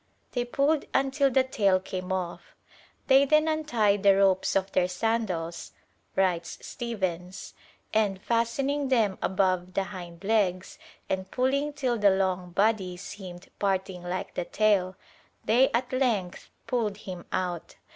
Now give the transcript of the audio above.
They pulled until the tail came off. "They then untied the ropes of their sandals," writes Stephens, "and fastening them above the hind legs, and pulling till the long body seemed parting like the tail, they at length pulled him out.